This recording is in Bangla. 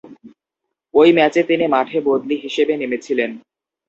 ঐ ম্যাচে তিনি মাঠে বদলি হিসেবে নেমেছিলেন।